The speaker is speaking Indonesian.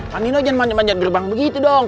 pak nino jangan manjat manjat gerbang begitu dong